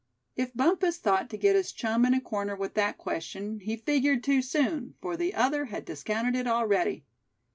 If Bumpus thought to get his chum in a corner with that question, he figured too soon, for the other had discounted it already.